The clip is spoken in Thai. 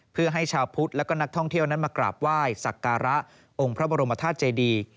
เพื่อให้ชาวพุทธและก็นักท่องเที่ยวนั้นมากราบไหว้สักการะองค์พระบรมธาตุเจดี